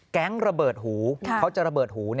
ระเบิดหูเขาจะระเบิดหู